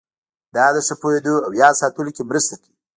دا د ښه پوهېدو او یاد ساتلو کې مرسته کوي.